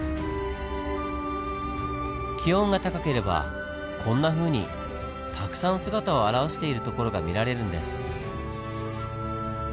気温が高ければこんなふうにたくさん姿を現しているところが見られるんです。